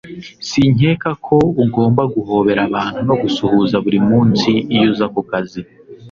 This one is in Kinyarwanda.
sinkeka ko ugomba guhobera abantu no gusuhuza buri munsi iyo uza ku kazi